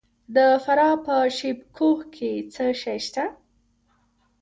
د فراه په شیب کوه کې څه شی شته؟